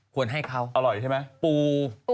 ควรให้เขาปู